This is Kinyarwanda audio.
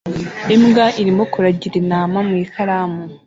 Imbwa irimo kuragira intama mu ikaramu